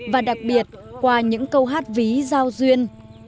và đặc biệt qua những câu hát ví giao duyên